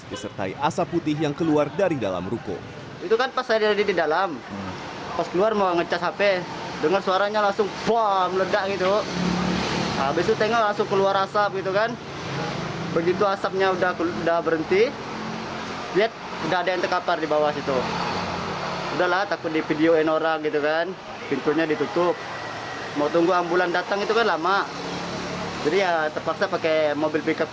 besertai asap putih yang keluar dari dalam ruko